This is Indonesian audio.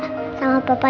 terima kasih pak